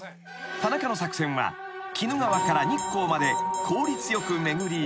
［田中の作戦は鬼怒川から日光まで効率よく巡り］